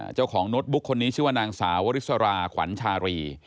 เจ้าของโน้ตบุ๊กคนนี้ชื่อว่านางสาววริสราขวัญชารี